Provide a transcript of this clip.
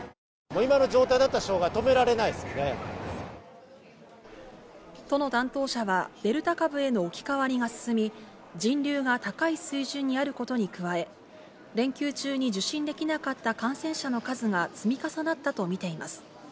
今の状態だったら止められな都の担当者は、デルタ株への置き換わりが進み、人流が高い水準にあることに加え、連休中に受診できなかった感染者の数が、積み重なったと見ています。